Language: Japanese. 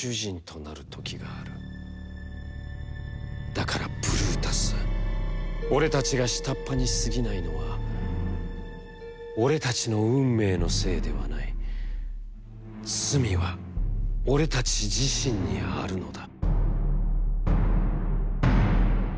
だから、ブルータス、俺たちが下っ端にすぎないのは、俺たちの運命のせいではない、罪は俺たち自身にあるのだ！」。